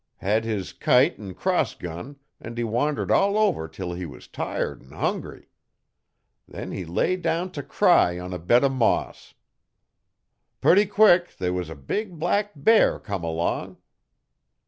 Hed his kite 'n' cross gun 'n' he wandered all over 'til he was tired 'n hungry. Then he lay down t' cry on a bed o' moss. Putty quick they was a big black bear come along.